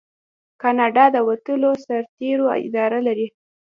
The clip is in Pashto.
کاناډا د وتلو سرتیرو اداره لري.